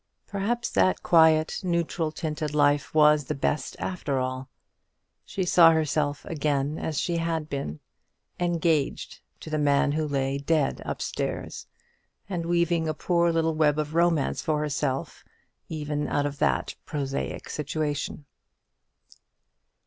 Perhaps that quiet neutral tinted life was the best, after all. She saw herself again as she had been; "engaged" to the man who lay dead up stairs; and weaving a poor little web of romance for herself even out of that prosaic situation.